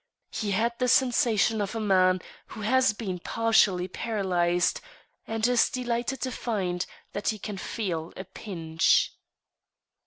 He had the sensation of a man who has been partially paralyzed, and is delighted to find that he can feel a pinch.